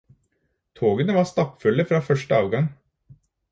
Togene var stappfulle fra første avgang.